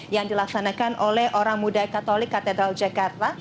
yang dilaksanakan oleh orang muda katolik katedral jakarta